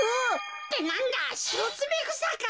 ってなんだシロツメクサか。